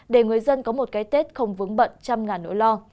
để người dân có một cái tết không vững bận trăm ngàn nỗi lo